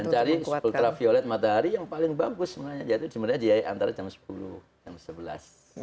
dan cari ultraviolet matahari yang paling bagus sebenarnya jadi sebenarnya dia antara jam sepuluh dan sebelas